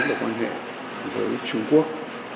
đối quan hệ với trung quốc